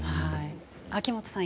秋元さん